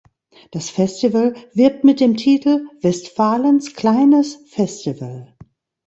Das Festival wirbt mit dem Titel „Westfalens kleines Festival“.